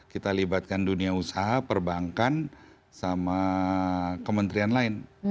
kita libatkan dunia usaha perbankan sama kementerian lain